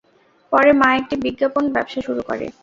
পরে, মা একটি বিজ্ঞাপন ব্যবসা শুরু করে।